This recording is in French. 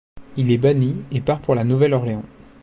Il est banni et part pour La Nouvelle-Orléans.